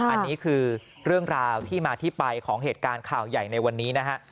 อันนี้คือเรื่องราวที่มาที่ไปของเหตุการณ์ข่าวใหญ่ในวันนี้นะฮะ